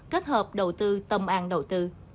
kết hợp đầu tư tâm an đầu tư